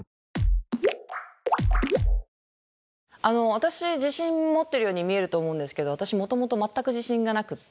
私自信持ってるように見えると思うんですけど私もともと全く自信がなくって。